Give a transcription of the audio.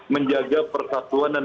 menjaga persatuan dan